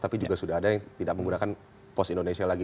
tapi juga sudah ada yang tidak menggunakan pos indonesia lagi